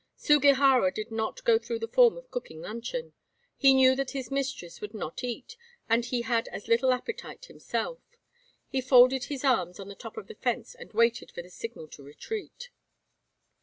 Sugihara did not go through the form of cooking luncheon. He knew that his mistress would not eat, and he had as little appetite himself. He folded his arms on the top of the fence and waited for the signal to retreat.